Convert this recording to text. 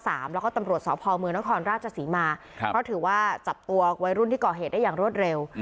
แล้วก็ตำรวจสพเมืองนครราชศรีมาเพราะถือว่าจับตัววัยรุ่นที่ก่อเหตุได้อย่างรวดเร็ว